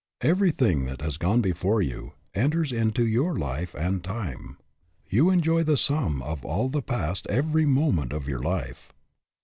Everything that has gone before you, enters into your life and time. You enjoy the sum of all the past every moment of your life.